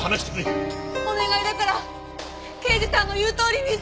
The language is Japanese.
お願いだから刑事さんの言うとおりにして。